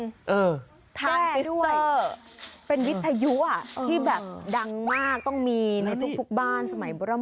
ทานไปด้วยเป็นวิทยุอ่ะที่แบบดังมากต้องมีในทุกบ้านสมัยโบร่ำ